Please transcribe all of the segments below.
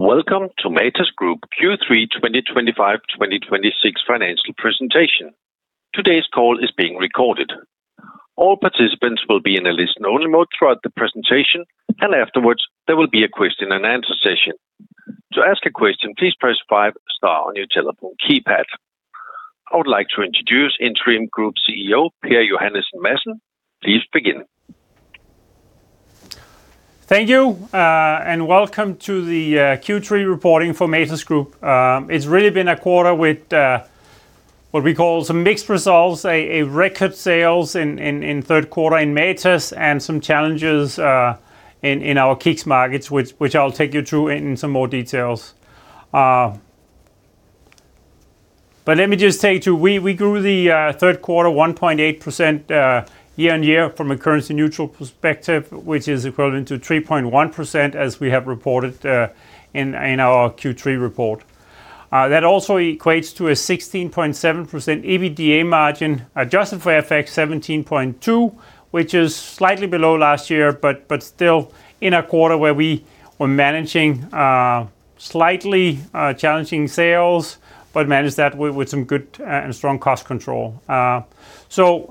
Welcome to Matas Group Q3 2025-2026 financial presentation. Today's call is being recorded. All participants will be in a listen-only mode throughout the presentation, and afterwards there will be a question-and-answer session. To ask a question, please press five pound on your telephone keypad. I would like to introduce Interim Group CEO Per Johannesen Madsen. Please begin. Thank you, and welcome to the Q3 reporting for Matas Group. It's really been a quarter with what we call some mixed results, a record sales in third quarter in Matas, and some challenges in our KICKS markets, which I'll take you through in some more details. But let me just take you through. We grew the third quarter 1.8% year-on-year from a currency-neutral perspective, which is equivalent to 3.1% as we have reported in our Q3 report. That also equates to a 16.7% EBITDA margin adjusted for FX 17.2%, which is slightly below last year but still in a quarter where we were managing slightly challenging sales but managed that with some good and strong cost control. So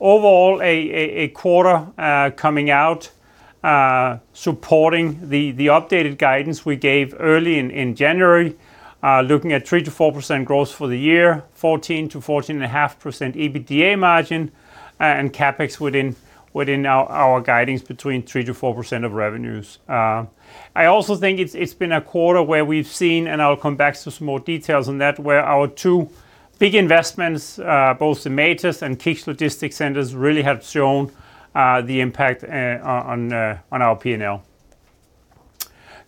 overall, a quarter coming out supporting the updated guidance we gave early in January, looking at 3%-4% growth for the year, 14%-14.5% EBITDA margin, and CapEx within our guidance between 3%-4% of revenues. I also think it's been a quarter where we've seen, and I'll come back to some more details on that, where our two big investments, both the Matas and KICKS logistics centers, really have shown the impact on our P&L.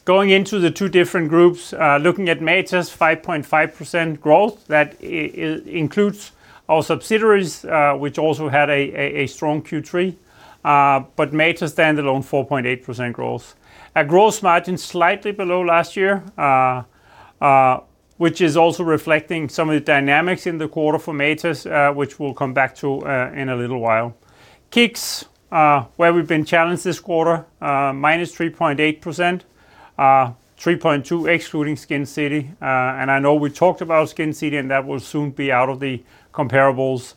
Going into the two different groups, looking at Matas, 5.5% growth. That includes our subsidiaries, which also had a strong Q3, but Matas standalone 4.8% growth. A growth margin slightly below last year, which is also reflecting some of the dynamics in the quarter for Matas, which we'll come back to in a little while. KICKS, where we've been challenged this quarter, -3.8%, 3.2% excluding SkinCity. I know we talked about SkinCity, and that will soon be out of the comparables.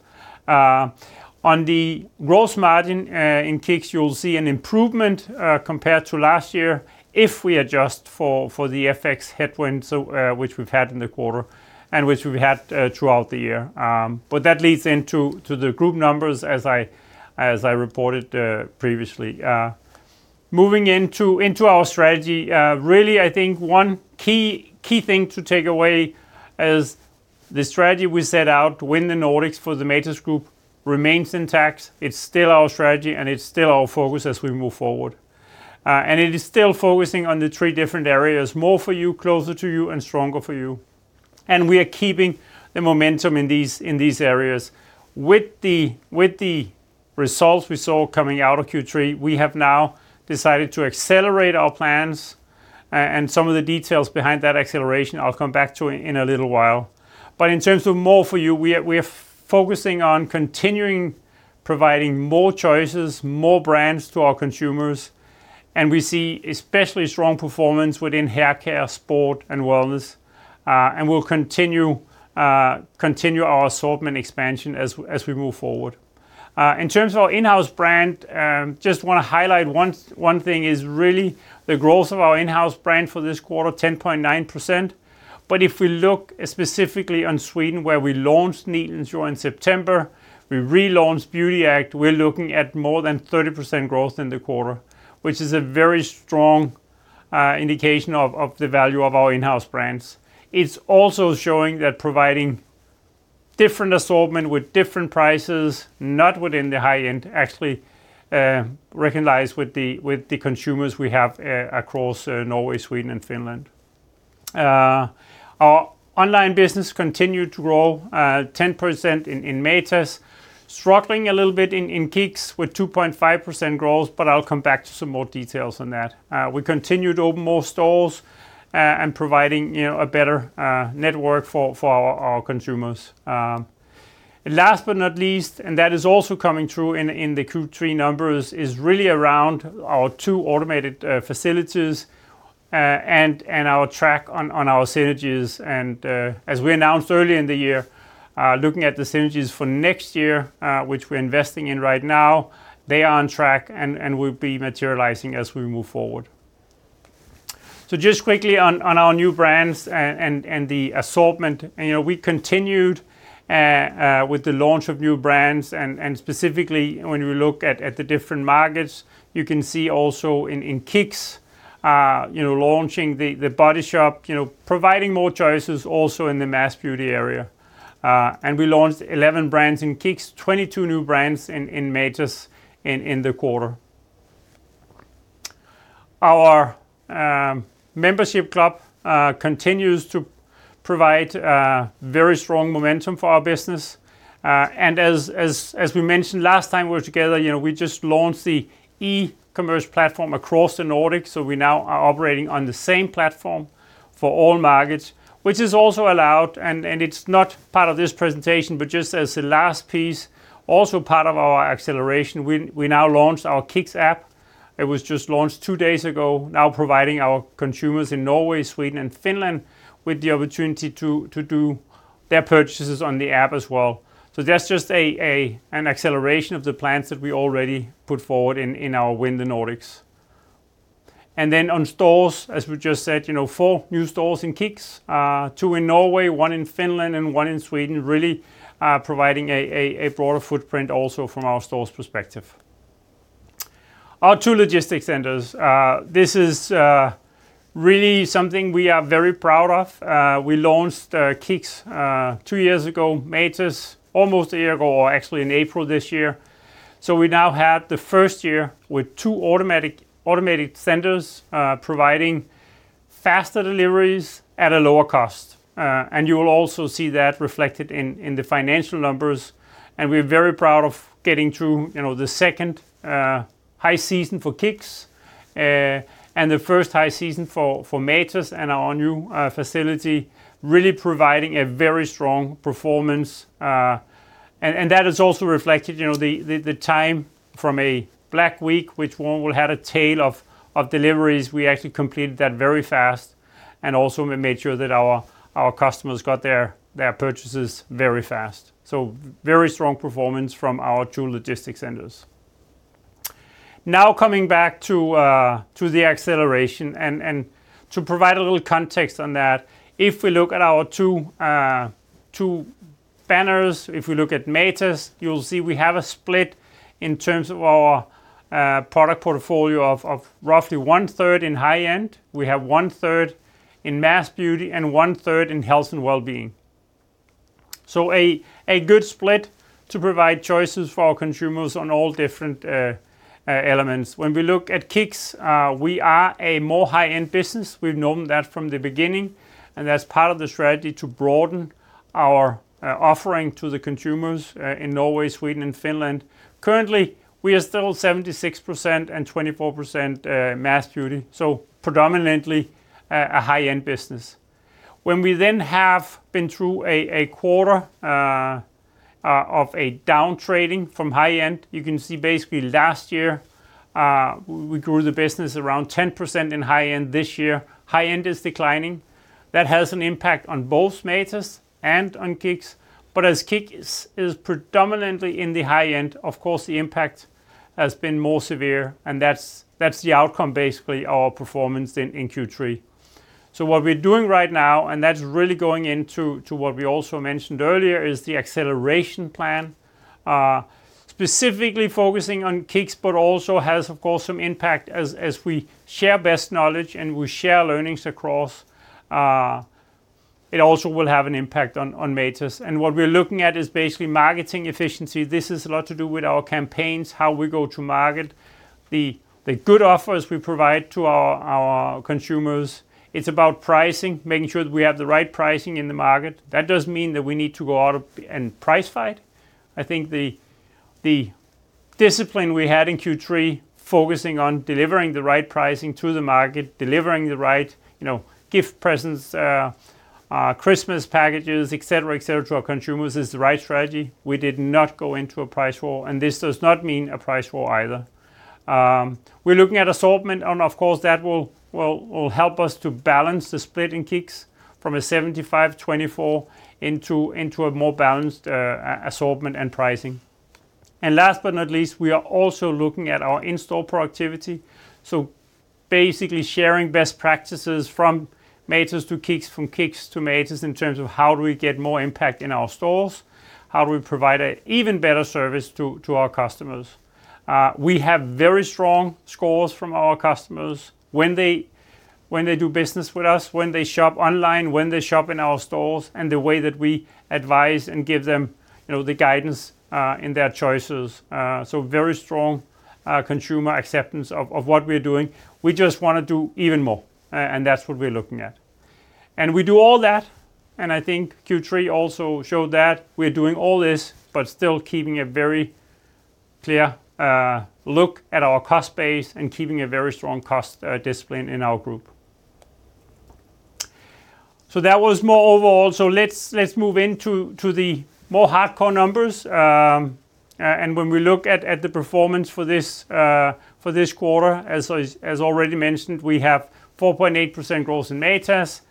On the growth margin in KICKS, you'll see an improvement compared to last year if we adjust for the FX headwinds which we've had in the quarter and which we've had throughout the year. That leads into the group numbers as I reported previously. Moving into our strategy, really, I think one key thing to take away is the strategy we set out to win the Nordics for the Matas Group remains intact. It's still our strategy, and it's still our focus as we move forward. It is still focusing on the three different areas: more for you, closer to you, and stronger for you. We are keeping the momentum in these areas. With the results we saw coming out of Q3, we have now decided to accelerate our plans. Some of the details behind that acceleration, I'll come back to in a little while. In terms of more for you, we are focusing on continuing providing more choices, more brands to our consumers. We see especially strong performance within haircare, sport, and wellness. We'll continue our assortment expansion as we move forward. In terms of our in-house brand, just want to highlight one thing: it's really the growth of our in-house brand for this quarter, 10.9%. If we look specifically on Sweden, where we launched Needle & Jewel in September, we relaunched BeautyAct. We're looking at more than 30% growth in the quarter, which is a very strong indication of the value of our in-house brands. It's also showing that providing different assortment with different prices, not within the high-end, actually recognized with the consumers we have across Norway, Sweden, and Finland. Our online business continued to grow 10% in Matas, struggling a little bit in KICKS with 2.5% growth, but I'll come back to some more details on that. We continued to open more stores and providing a better network for our consumers. Last but not least, and that is also coming through in the Q3 numbers, is really around our two automated facilities and our track on our synergies. As we announced earlier in the year, looking at the synergies for next year, which we're investing in right now, they are on track and will be materializing as we move forward. Just quickly on our new brands and the assortment, we continued with the launch of new brands. Specifically, when you look at the different markets, you can see also in KICKS launching The Body Shop, providing more choices also in the mass beauty area. We launched 11 brands in KICKS, 22 new brands in Matas in the quarter. Our membership club continues to provide very strong momentum for our business. As we mentioned last time we were together, we just launched the e-commerce platform across the Nordics. We now are operating on the same platform for all markets, which is also allowed, and it's not part of this presentation, but just as the last piece, also part of our acceleration. We now launched our KICKS app. It was just launched two days ago, now providing our consumers in Norway, Sweden, and Finland with the opportunity to do their purchases on the app as well. That's just an acceleration of the plans that we already put forward in our Win the Nordics. And then on stores, as we just said, four new stores in KICKS, two in Norway, one in Finland, and one in Sweden, really providing a broader footprint also from our stores' perspective. Our two logistics centers. This is really something we are very proud of. We launched KICKS two years ago, Matas almost a year ago, or actually in April this year. So we now had the first year with two automated centers providing faster deliveries at a lower cost. And you will also see that reflected in the financial numbers. And we're very proud of getting through the second high season for KICKS and the first high season for Matas and our new facility, really providing a very strong performance. And that is also reflected in the time from a Black Week, which we had a tail of deliveries. We actually completed that very fast and also made sure that our customers got their purchases very fast. So very strong performance from our two logistics centers. Now coming back to the acceleration and to provide a little context on that, if we look at our two banners, if we look at Matas, you'll see we have a split in terms of our product portfolio of roughly one-third in high-end. We have one-third in mass beauty and one-third in health and well-being. So a good split to provide choices for our consumers on all different elements. When we look at KICKS, we are a more high-end business. We've known that from the beginning, and that's part of the strategy to broaden our offering to the consumers in Norway, Sweden, and Finland. Currently, we are still 76% and 24% mass beauty, so predominantly a high-end business. When we then have been through a quarter of a downtrading from high-end, you can see basically last year we grew the business around 10% in high-end. This year, high-end is declining. That has an impact on both Matas and on KICKS. But as KICKS is predominantly in the high-end, of course, the impact has been more severe, and that's the outcome, basically our performance in Q3. What we're doing right now, and that's really going into what we also mentioned earlier, is the acceleration plan, specifically focusing on KICKS, but also has, of course, some impact as we share best knowledge and we share learnings across. It also will have an impact on Matas. What we're looking at is basically marketing efficiency. This has a lot to do with our campaigns, how we go to market, the good offers we provide to our consumers. It's about pricing, making sure that we have the right pricing in the market. That does mean that we need to go out and price fight. I think the discipline we had in Q3, focusing on delivering the right pricing to the market, delivering the right gift presents, Christmas packages, etc., etc., to our consumers is the right strategy. We did not go into a price war, and this does not mean a price war either. We're looking at assortment, and of course, that will help us to balance the split in KICKS from a 75-24 into a more balanced assortment and pricing. And last but not least, we are also looking at our in-store productivity. So basically sharing best practices from Matas to KICKS, from KICKS to Matas in terms of how do we get more impact in our stores, how do we provide an even better service to our customers. We have very strong scores from our customers when they do business with us, when they shop online, when they shop in our stores, and the way that we advise and give them the guidance in their choices. So very strong consumer acceptance of what we're doing. We just want to do even more, and that's what we're looking at. And we do all that, and I think Q3 also showed that. We're doing all this but still keeping a very clear look at our cost base and keeping a very strong cost discipline in our group. So that was more overall. So let's move into the more hardcore numbers. When we look at the performance for this quarter, as already mentioned, we have 4.8% growth in Matas,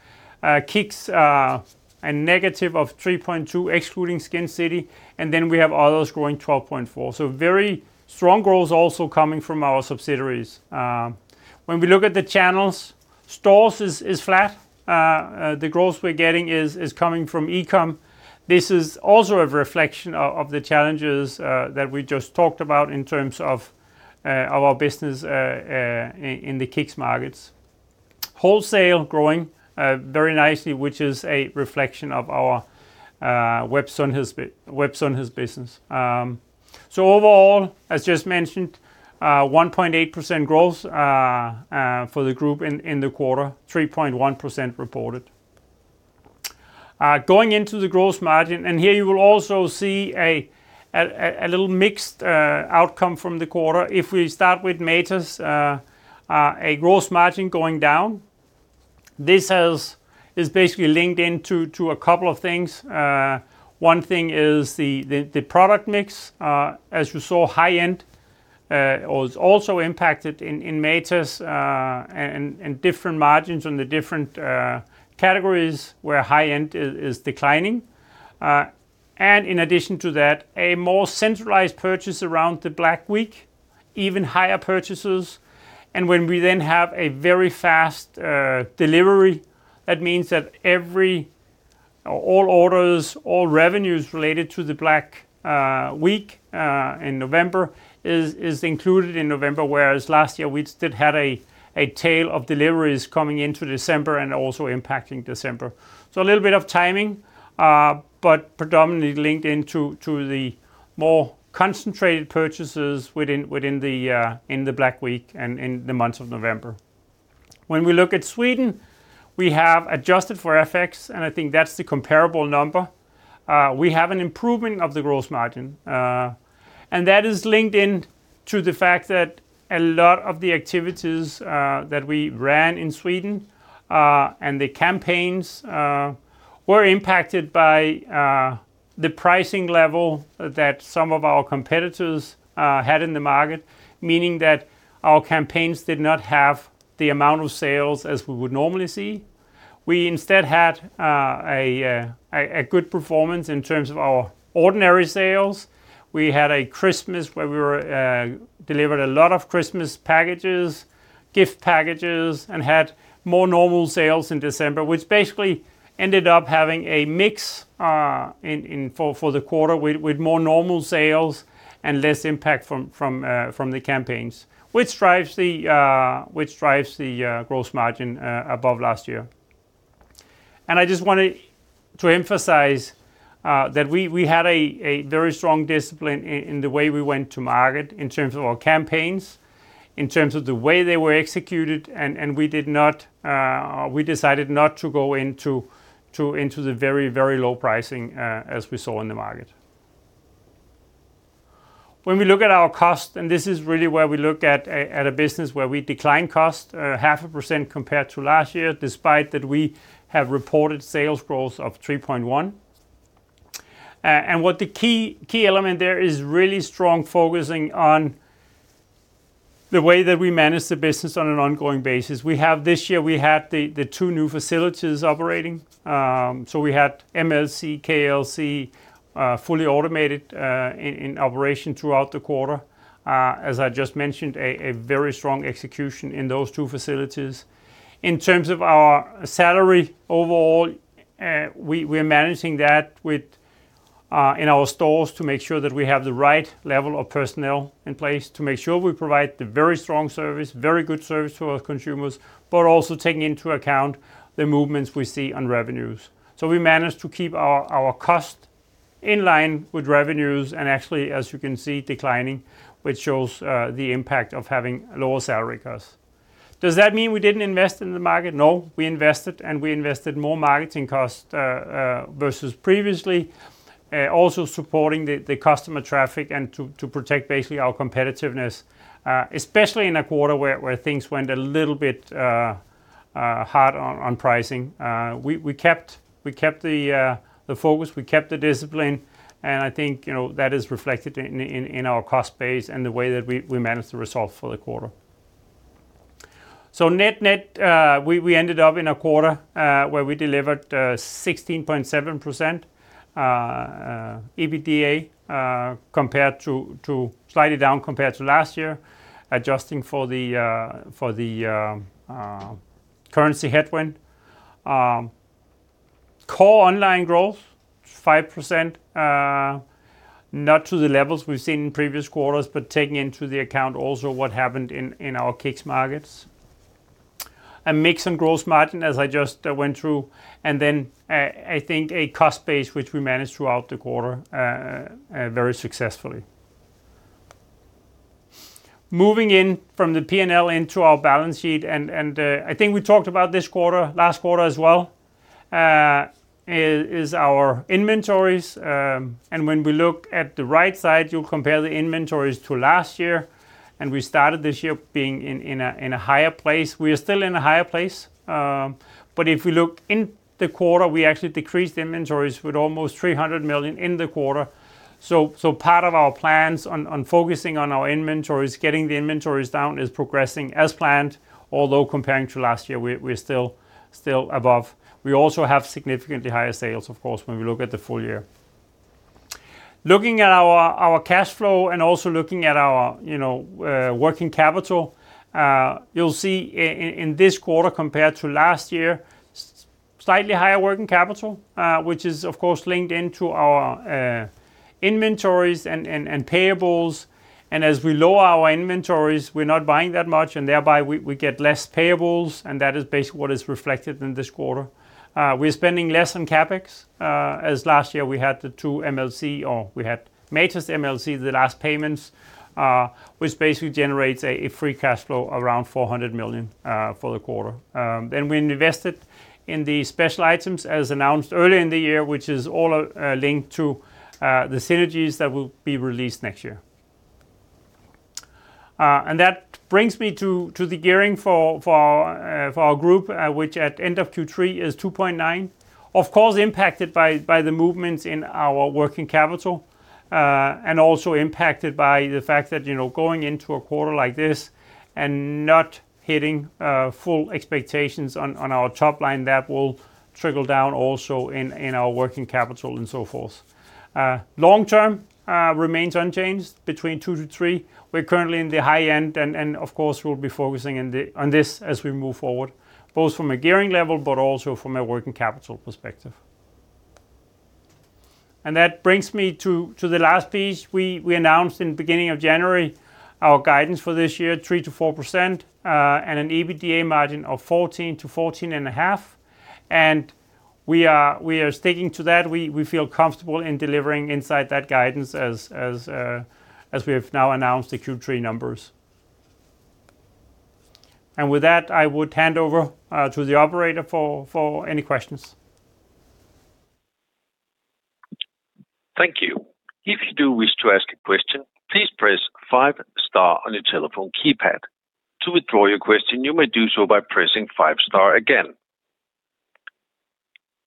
KICKS, a negative of 3.2% excluding SkinCity, and then we have others growing 12.4%. So very strong growth also coming from our subsidiaries. When we look at the channels, stores is flat. The growth we're getting is coming from e-com. This is also a reflection of the challenges that we just talked about in terms of our business in the KICKS markets. Wholesale growing very nicely, which is a reflection of our webshop business. So overall, as just mentioned, 1.8% growth for the group in the quarter, 3.1% reported. Going into the gross margin, and here you will also see a little mixed outcome from the quarter. If we start with Matas, a gross margin going down. This is basically linked into a couple of things. One thing is the product mix. As you saw, high-end was also impacted in Matas and different margins on the different categories where high-end is declining. And in addition to that, a more centralized purchase around the Black Week, even higher purchases. And when we then have a very fast delivery, that means that all orders, all revenues related to the Black Week in November is included in November, whereas last year we still had a tail of deliveries coming into December and also impacting December. So a little bit of timing but predominantly linked into the more concentrated purchases within the Black Week and in the month of November. When we look at Sweden, we have adjusted for FX, and I think that's the comparable number. We have an improvement of the growth margin, and that is linked into the fact that a lot of the activities that we ran in Sweden and the campaigns were impacted by the pricing level that some of our competitors had in the market, meaning that our campaigns did not have the amount of sales as we would normally see. We instead had a good performance in terms of our ordinary sales. We had a Christmas where we delivered a lot of Christmas packages, gift packages, and had more normal sales in December, which basically ended up having a mix for the quarter with more normal sales and less impact from the campaigns, which drives the growth margin above last year. I just wanted to emphasize that we had a very strong discipline in the way we went to market in terms of our campaigns, in terms of the way they were executed, and we decided not to go into the very, very low pricing as we saw in the market. When we look at our cost, and this is really where we look at a business where we declined cost 0.5% compared to last year, despite that we have reported sales growth of 3.1%. What the key element there is really strong focusing on the way that we manage the business on an ongoing basis. This year, we had the two new facilities operating. We had MLC, KLC fully automated in operation throughout the quarter. As I just mentioned, a very strong execution in those two facilities. In terms of our salary overall, we're managing that in our stores to make sure that we have the right level of personnel in place to make sure we provide the very strong service, very good service to our consumers, but also taking into account the movements we see on revenues. So we managed to keep our cost in line with revenues and actually, as you can see, declining, which shows the impact of having lower salary costs. Does that mean we didn't invest in the market? No, we invested, and we invested more marketing costs versus previously, also supporting the customer traffic and to protect basically our competitiveness, especially in a quarter where things went a little bit hard on pricing. We kept the focus. We kept the discipline, and I think that is reflected in our cost base and the way that we managed the result for the quarter. So net, net, we ended up in a quarter where we delivered 16.7% EBITDA slightly down compared to last year, adjusting for the currency headwind. Core online growth, 5%, not to the levels we've seen in previous quarters, but taking into the account also what happened in our KICKS markets. A mix on growth margin, as I just went through, and then I think a cost base which we managed throughout the quarter very successfully. Moving in from the P&L into our balance sheet, and I think we talked about this quarter, last quarter as well, is our inventories. And when we look at the right side, you'll compare the inventories to last year, and we started this year being in a higher place. We are still in a higher place, but if we look in the quarter, we actually decreased inventories with almost 300 million in the quarter. So part of our plans on focusing on our inventories, getting the inventories down, is progressing as planned, although comparing to last year, we're still above. We also have significantly higher sales, of course, when we look at the full year. Looking at our cash flow and also looking at our working capital, you'll see in this quarter compared to last year, slightly higher working capital, which is, of course, linked into our inventories and payables. As we lower our inventories, we're not buying that much, and thereby we get less payables, and that is basically what is reflected in this quarter. We're spending less on CapEx as last year we had the 2 MLC, or we had Matas MLC, the last payments, which basically generates a free cash flow around 400 million for the quarter. Then we invested in the special items, as announced earlier in the year, which is all linked to the synergies that will be released next year. That brings me to the gearing for our group, which at the end of Q3 is 2.9%, of course, impacted by the movements in our working capital and also impacted by the fact that going into a quarter like this and not hitting full expectations on our top line, that will trickle down also in our working capital and so forth. Long-term remains unchanged between 2-3. We're currently in the high end, and of course, we'll be focusing on this as we move forward, both from a gearing level but also from a working capital perspective. That brings me to the last piece. We announced in the beginning of January our guidance for this year, 3%-4%, and an EBITDA margin of 14%-14.5%. We are sticking to that. We feel comfortable in delivering inside that guidance as we have now announced the Q3 numbers. With that, I would hand over to the operator for any questions. Thank you. If you do wish to ask a question, please press five-star on your telephone keypad. To withdraw your question, you may do so by pressing five-star again.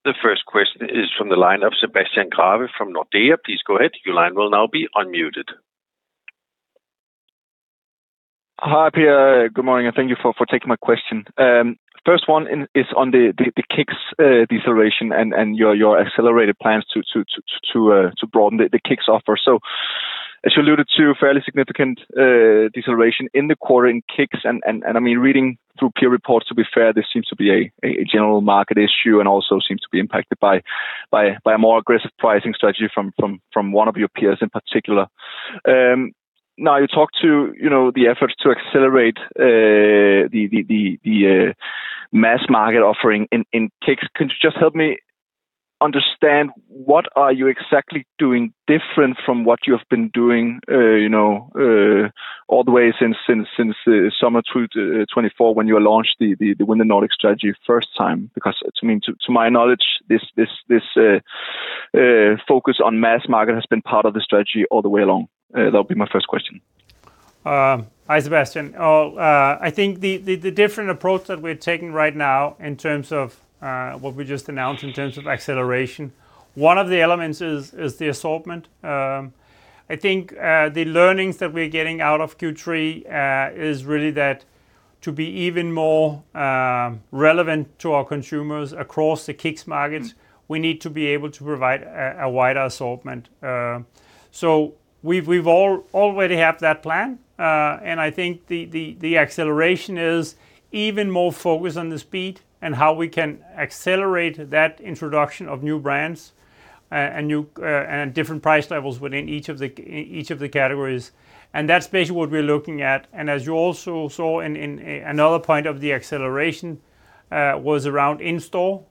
The first question is from the line of Sebastian Grave from Nordea. Please go ahead. Your line will now be unmuted. Hi Pierre. Good morning, and thank you for taking my question. First one is on the KICKS deceleration and your accelerated plans to broaden the KICKS offer. So as you alluded to, fairly significant deceleration in the quarter in KICKS, and I mean, reading through peer reports, to be fair, this seems to be a general market issue and also seems to be impacted by a more aggressive pricing strategy from one of your peers in particular. Now, you talked to the efforts to accelerate the mass market offering in KICKS. Can you just help me understand what are you exactly doing different from what you have been doing all the way since summer 2024 when you launched the Win the Nordic strategy first time? Because to my knowledge, this focus on mass market has been part of the strategy all the way along. That would be my first question. Hi Sebastian. I think the different approach that we're taking right now in terms of what we just announced in terms of acceleration, one of the elements is the assortment. I think the learnings that we're getting out of Q3 is really that to be even more relevant to our consumers across the KICKS markets, we need to be able to provide a wider assortment. So we've already had that plan, and I think the acceleration is even more focused on the speed and how we can accelerate that introduction of new brands and different price levels within each of the categories. And that's basically what we're looking at. And as you also saw, another point of the acceleration was around in-store.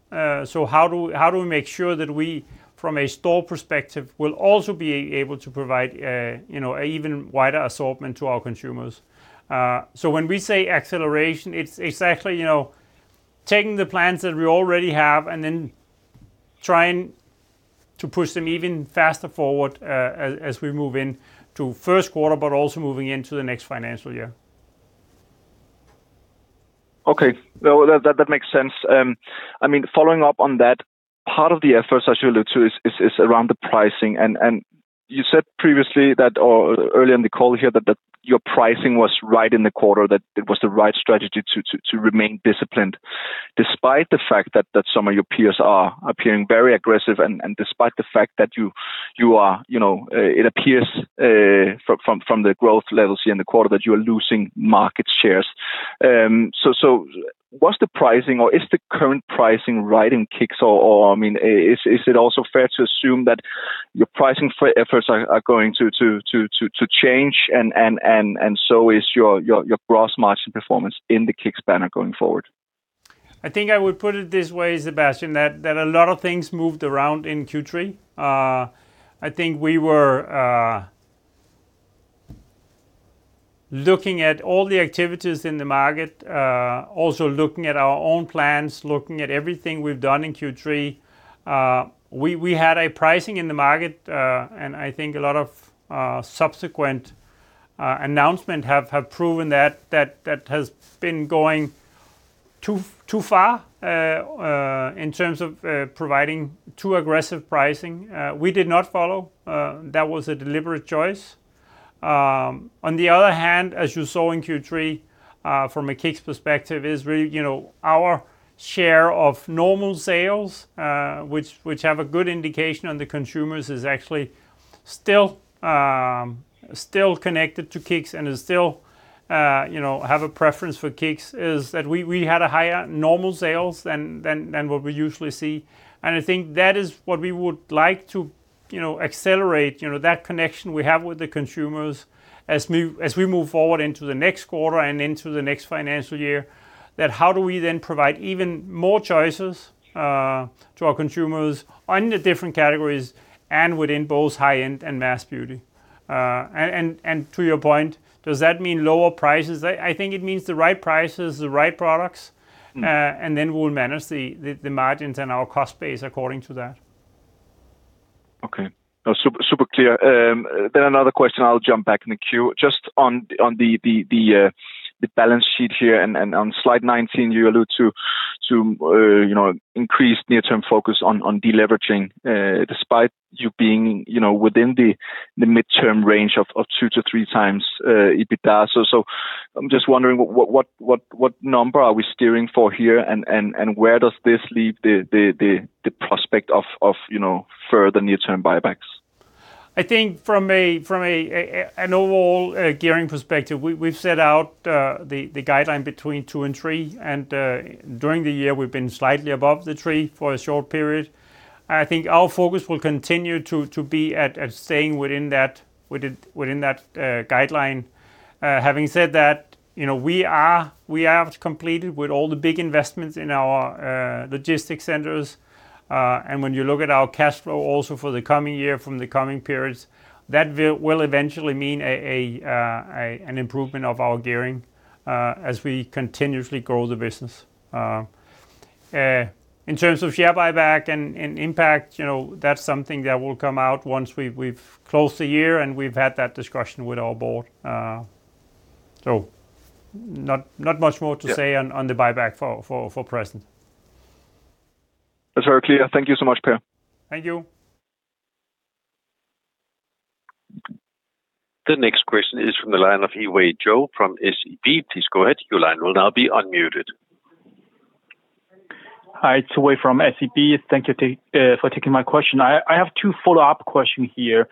So how do we make sure that we, from a store perspective, will also be able to provide an even wider assortment to our consumers? When we say acceleration, it's exactly taking the plans that we already have and then trying to push them even faster forward as we move into first quarter but also moving into the next financial year. Okay. No, that makes sense. I mean, following up on that, part of the efforts, as you alluded to, is around the pricing. And you said previously or earlier in the call here that your pricing was right in the quarter, that it was the right strategy to remain disciplined despite the fact that some of your peers are appearing very aggressive and despite the fact that you are, it appears from the growth levels here in the quarter, that you are losing market shares. So was the pricing or is the current pricing right in KICKS? Or I mean, is it also fair to assume that your pricing efforts are going to change, and so is your gross margin performance in the KICKS banner going forward? I think I would put it this way, Sebastian, that a lot of things moved around in Q3. I think we were looking at all the activities in the market, also looking at our own plans, looking at everything we've done in Q3. We had a pricing in the market, and I think a lot of subsequent announcements have proven that that has been going too far in terms of providing too aggressive pricing. We did not follow. That was a deliberate choice. On the other hand, as you saw in Q3, from a KICKS perspective, is really our share of normal sales, which have a good indication on the consumers, is actually still connected to KICKS and still have a preference for KICKS, is that we had higher normal sales than what we usually see. I think that is what we would like to accelerate, that connection we have with the consumers as we move forward into the next quarter and into the next financial year, that how do we then provide even more choices to our consumers in the different categories and within both high-end and mass beauty? To your point, does that mean lower prices? I think it means the right prices, the right products, and then we'll manage the margins and our cost base according to that. Okay. No, super clear. Then another question. I'll jump back in the queue. Just on the balance sheet here and on slide 19, you alluded to increased near-term focus on deleveraging despite you being within the mid-term range of 2-3 times EBITDA. So I'm just wondering, what number are we steering for here, and where does this leave the prospect of further near-term buybacks? I think from an overall gearing perspective, we've set out the guideline between 2 and 3, and during the year, we've been slightly above the 3 for a short period. I think our focus will continue to be at staying within that guideline. Having said that, we have completed with all the big investments in our logistics centers. When you look at our cash flow also for the coming year from the coming periods, that will eventually mean an improvement of our gearing as we continuously grow the business. In terms of share buyback and impact, that's something that will come out once we've closed the year, and we've had that discussion with our board. So not much more to say on the buyback for present. That's very clear. Thank you so much, Pierre. Thank you. The next question is from the line of Yiwei Zhou from SEB. Please go ahead. Your line will now be unmuted. Hi, it's Yiwei from SEB. Thank you for taking my question. I have two follow-up questions here.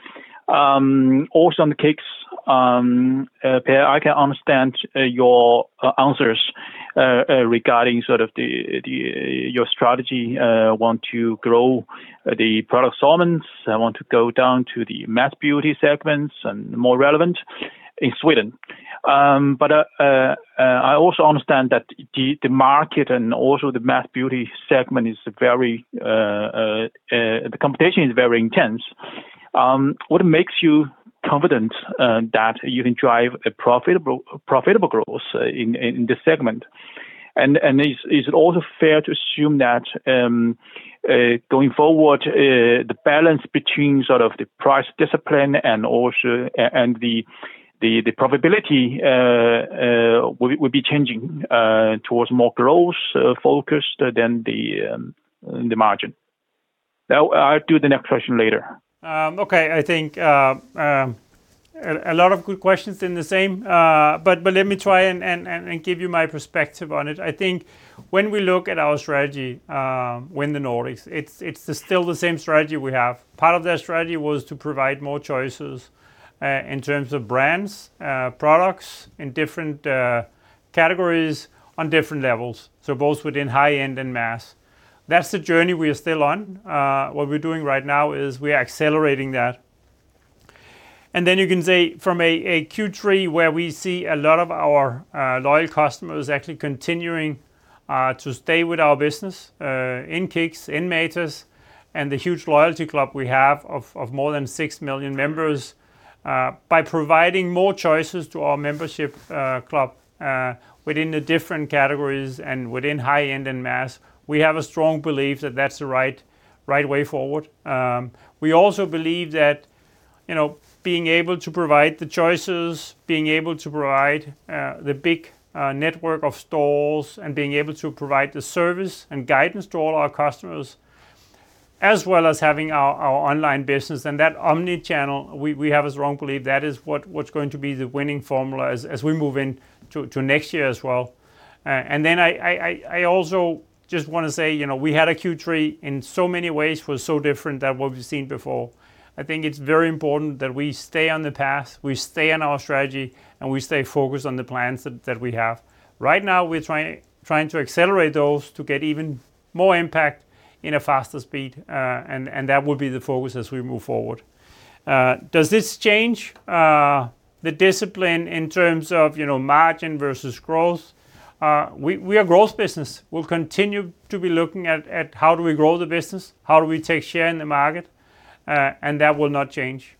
Also on the KICKS, Pierre, I can understand your answers regarding sort of your strategy. Want to grow the product assortments. I want to go down to the mass beauty segments and more relevant in Sweden. But I also understand that the market and also the mass beauty segment is very, the competition is very intense. What makes you confident that you can drive a profitable growth in this segment? And is it also fair to assume that going forward, the balance between sort of the price discipline and also the profitability will be changing towards more growth-focused than the margin? Now, I'll do the next question later. Okay. I think a lot of good questions in the same, but let me try and give you my perspective on it. I think when we look at our strategy, Win the Nordics, it's still the same strategy we have. Part of that strategy was to provide more choices in terms of brands, products in different categories on different levels, so both within high-end and mass. That's the journey we are still on. What we're doing right now is we are accelerating that. And then you can say from a Q3 where we see a lot of our loyal customers actually continuing to stay with our business in KICKS, in Matas, and the huge loyalty club we have of more than 6 million members, by providing more choices to our membership club within the different categories and within high-end and mass, we have a strong belief that that's the right way forward. We also believe that being able to provide the choices, being able to provide the big network of stores, and being able to provide the service and guidance to all our customers, as well as having our online business and that omnichannel, we have a strong belief that is what's going to be the winning formula as we move into next year as well. I also just want to say we had a Q3 in so many ways was so different than what we've seen before. I think it's very important that we stay on the path, we stay on our strategy, and we stay focused on the plans that we have. Right now, we're trying to accelerate those to get even more impact in a faster speed, and that will be the focus as we move forward. Does this change the discipline in terms of margin versus growth? We are a growth business. We'll continue to be looking at how do we grow the business? How do we take share in the market? And that will not change.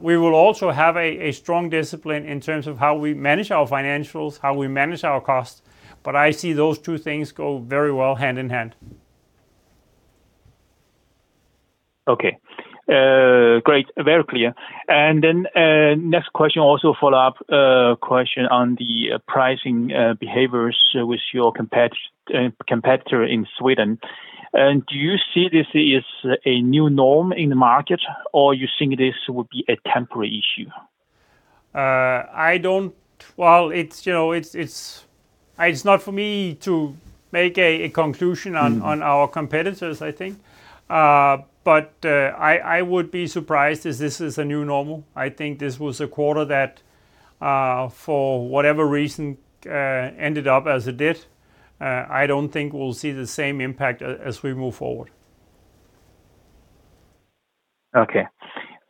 We will also have a strong discipline in terms of how we manage our financials, how we manage our costs. I see those two things go very well hand in hand. Okay. Great. Very clear. And then next question, also follow-up question on the pricing behaviors with your competitor in Sweden. Do you see this as a new norm in the market, or you think this would be a temporary issue? Well, it's not for me to make a conclusion on our competitors, I think. I would be surprised if this is a new normal. I think this was a quarter that, for whatever reason, ended up as it did. I don't think we'll see the same impact as we move forward. Okay.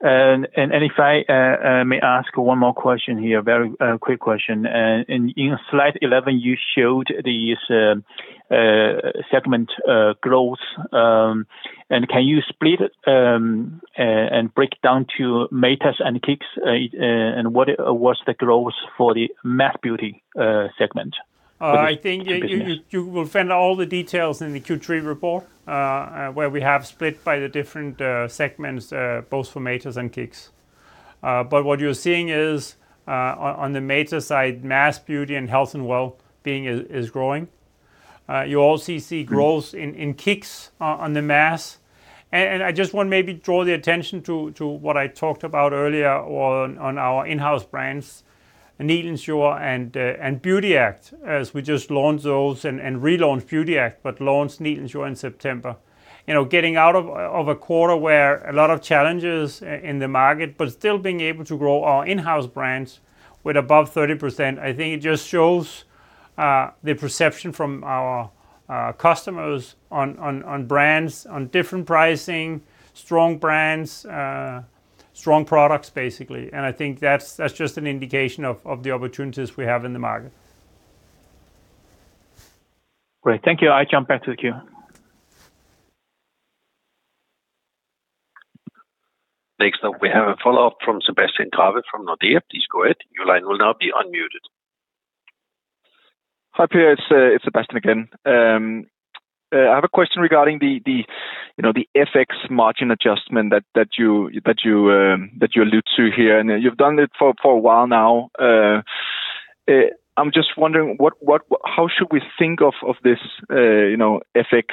If I may ask one more question here, a very quick question. In slide 11, you showed this segment growth. Can you split and break down to Matas and KICKS, and what was the growth for the mass beauty segment? I think you will find all the details in the Q3 report where we have split by the different segments, both for Matas and KICKS. But what you're seeing is on the Matas side, mass beauty and health and well-being is growing. You also see growth in KICKS on the mass. And I just want to maybe draw the attention to what I talked about earlier on our in-house brands, Nilens Jord and Beauty Act, as we just launched those and relaunched Beauty Act but launched Nilens Jord in September. Getting out of a quarter where a lot of challenges in the market but still being able to grow our in-house brands with above 30%, I think it just shows the perception from our customers on brands, on different pricing, strong brands, strong products, basically. And I think that's just an indication of the opportunities we have in the market. Great. Thank you. I'll jump back to the queue. Thanks. Now, we have a follow-up from Sebastian Garve from Nordea. Please go ahead. Your line will now be unmuted. Hi, Pierre. It's Sebastian again. I have a question regarding the FX margin adjustment that you alluded to here. You've done it for a while now. I'm just wondering, how should we think of this FX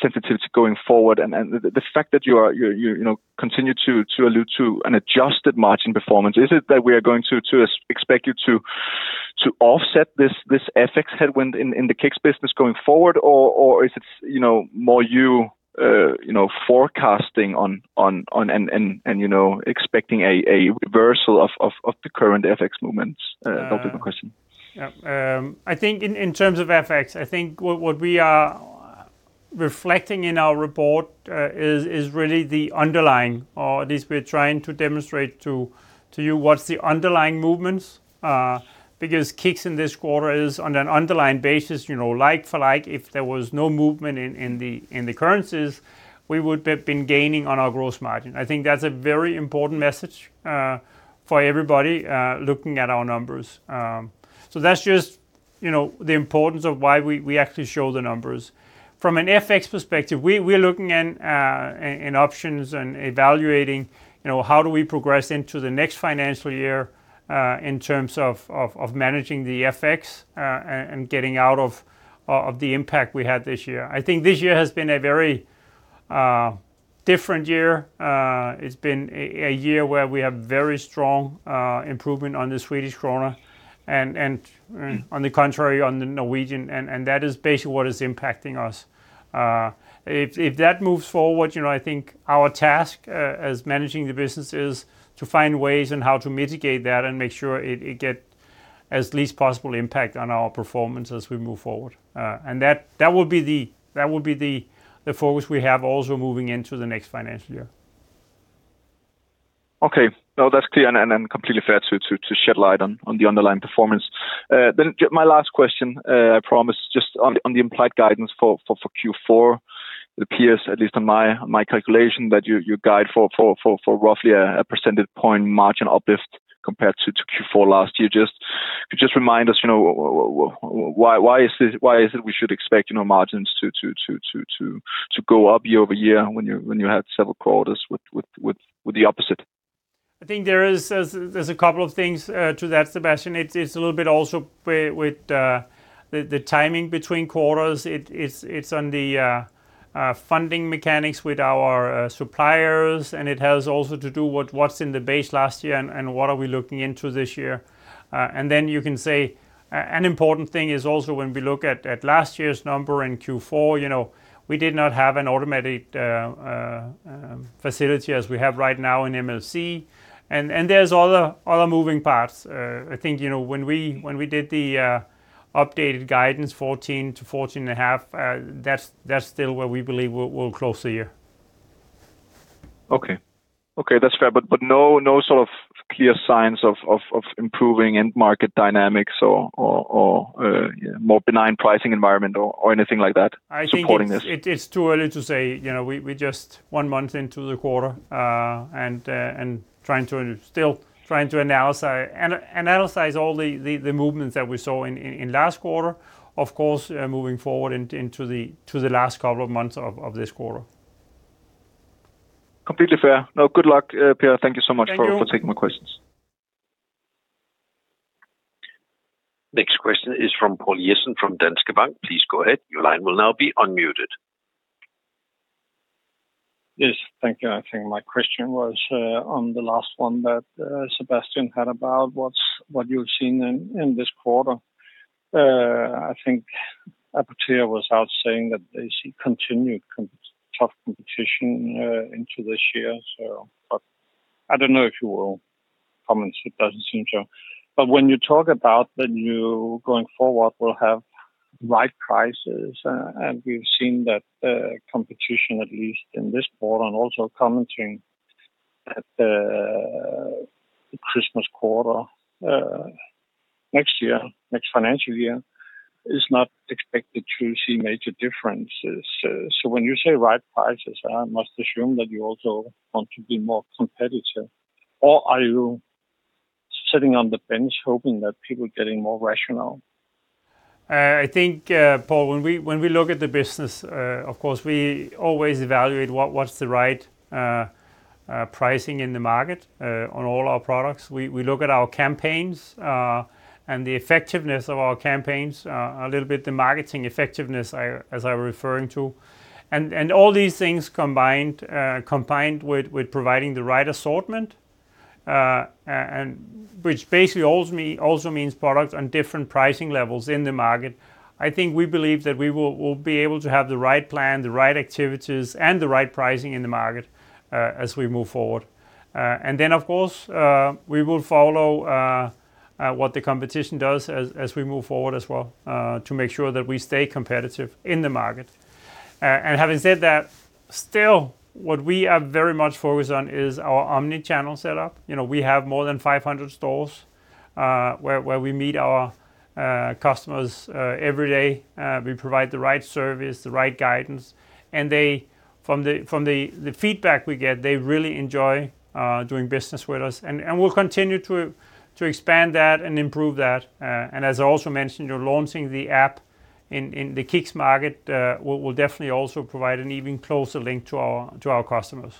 sensitivity going forward and the fact that you continue to allude to an adjusted margin performance? Is it that we are going to expect you to offset this FX headwind in the KICKS business going forward, or is it more you forecasting on and expecting a reversal of the current FX movements? That'll be my question. Yeah. I think in terms of FX, I think what we are reflecting in our report is really the underlying or at least we're trying to demonstrate to you what's the underlying movements because KICKS in this quarter is on an underlying basis. Like for like, if there was no movement in the currencies, we would have been gaining on our growth margin. I think that's a very important message for everybody looking at our numbers. So that's just the importance of why we actually show the numbers. From an FX perspective, we're looking in options and evaluating how do we progress into the next financial year in terms of managing the FX and getting out of the impact we had this year. I think this year has been a very different year. It's been a year where we have very strong improvement on the Swedish krona and, on the contrary, on the Norwegian. That is basically what is impacting us. If that moves forward, I think our task as managing the business is to find ways on how to mitigate that and make sure it gets as least possible impact on our performance as we move forward. That will be the focus we have also moving into the next financial year. Okay. No, that's clear and then completely fair to shed light on the underlying performance. Then my last question, I promised, just on the implied guidance for Q4, it appears, at least on my calculation, that you guide for roughly a percentage point margin uplift compared to Q4 last year. Just remind us, why is it we should expect margins to go up year-over-year when you had several quarters with the opposite? I think there's a couple of things to that, Sebastian. It's a little bit also with the timing between quarters. It's on the funding mechanics with our suppliers, and it has also to do with what's in the base last year and what are we looking into this year. And then you can say an important thing is also when we look at last year's number in Q4, we did not have an automated facility as we have right now in MLC. And there's other moving parts. I think when we did the updated guidance, 14-14.5, that's still where we believe we'll close the year. Okay. Okay. That's fair. But no sort of clear signs of improving end-market dynamics or more benign pricing environment or anything like that supporting this? I think it's too early to say. We're just one month into the quarter and still trying to analyze all the movements that we saw in last quarter, of course, moving forward into the last couple of months of this quarter. Completely fair. No, good luck, Pierre. Thank you so much for taking my questions. Thank you. Next question is from Poul Jessen from Danske Bank. Please go ahead. Your line will now be unmuted. Yes. Thank you. I think my question was on the last one that Sebastian had about what you've seen in this quarter. I think Apotea was out saying that they see continued tough competition into this year, so. But I don't know if you will comment. It doesn't seem so. But when you talk about that you going forward will have right prices, and we've seen that competition, at least in this quarter, and also commenting that the Christmas quarter next year, next financial year, is not expected to see major differences. So when you say right prices, I must assume that you also want to be more competitive. Or are you sitting on the bench hoping that people are getting more rational? I think, Paul, when we look at the business, of course, we always evaluate what's the right pricing in the market on all our products. We look at our campaigns and the effectiveness of our campaigns, a little bit the marketing effectiveness, as I was referring to. All these things combined with providing the right assortment, which basically also means products on different pricing levels in the market, I think we believe that we will be able to have the right plan, the right activities, and the right pricing in the market as we move forward. Then, of course, we will follow what the competition does as we move forward as well to make sure that we stay competitive in the market. Having said that, still, what we are very much focused on is our omnichannel setup. We have more than 500 stores where we meet our customers every day. We provide the right service, the right guidance. From the feedback we get, they really enjoy doing business with us. We'll continue to expand that and improve that. As I also mentioned, launching the app in the KICKS market will definitely also provide an even closer link to our customers.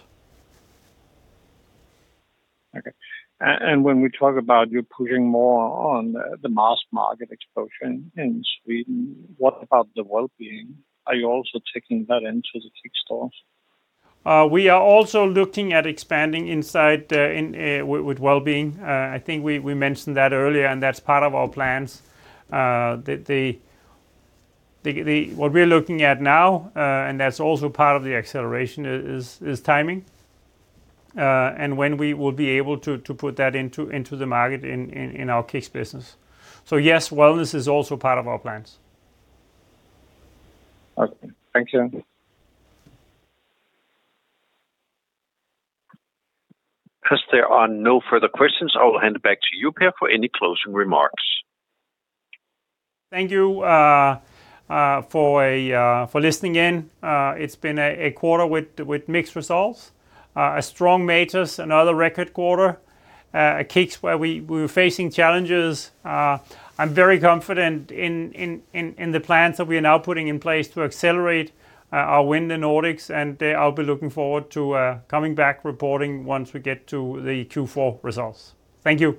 Okay. When we talk about you pushing more on the mass market exposure in Sweden, what about the well-being? Are you also taking that into the KICKS stores? We are also looking at expanding inside with well-being. I think we mentioned that earlier, and that's part of our plans. What we're looking at now, and that's also part of the acceleration, is timing and when we will be able to put that into the market in our KICKS business. So yes, wellness is also part of our plans. Okay. Thank you. Christopher, there are no further questions. I will hand it back to you, Pierre, for any closing remarks. Thank you for listening in. It's been a quarter with mixed results. A strong Matas, another record quarter. A KICKS where we were facing challenges. I'm very confident in the plans that we are now putting in place to accelerate our win in the Nordics, and I'll be looking forward to coming back reporting once we get to the Q4 results. Thank you.